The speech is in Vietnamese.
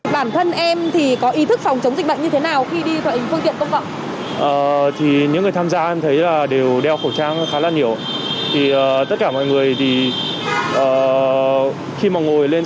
bản thân em có ý thức phòng chống dịch bệnh như thế nào khi đi thoại hình phương tiện công vận